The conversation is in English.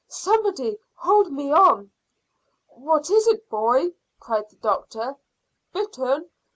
Somebody! Hold me on." "What is it, boy?" cried the doctor "Bitten?"